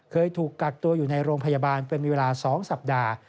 เคยถูกกักตัวอยู่ในโรงพยาบาลเป็นเวลา๒สัปดาห์